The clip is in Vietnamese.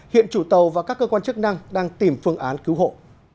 hiện chủ tàu và các cơ quan chức năng đang tìm phương án cứu hộ